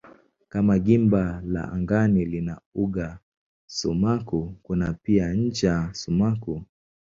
Kama gimba la angani lina uga sumaku kuna pia ncha sumaku.